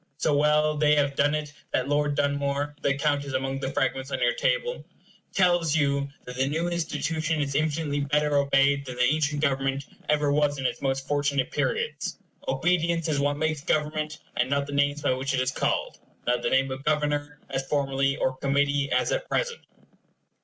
So well they have done it, that Lord Dunmore the account is among the fragments on your table tells you that the new institution is infinitely better obeyed than the ancient government ever was in its most fortunate periods. Obedience is what makes government, and not the names by which it is called; not the name of Governor, as formerly, or Committee, as at present.